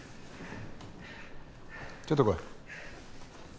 ちょっと来い。